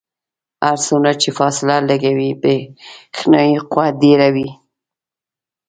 هر څومره چې فاصله لږه وي برېښنايي قوه ډیره وي.